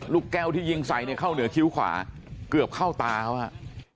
ลูกแก้วที่ยิงใส่เนี่ยเข้าเหนือคิ้วขวาเกือบเข้าตาเขาฮะ